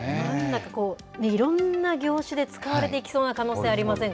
なんかこう、いろんな業種で使われていきそうな可能性ありま